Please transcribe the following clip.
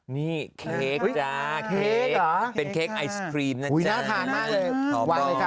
นี่เค้กจ้ะเป็นเค้กไอศครีมนะจ้ะ